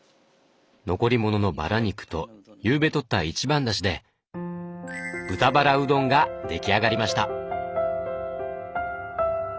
残り物のバラ肉とゆうべとった一番だしで豚バラうどんが出来上がりました。